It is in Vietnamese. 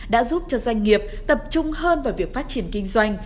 đã giúp cho doanh nghiệp tập trung hơn vào việc phát triển kinh doanh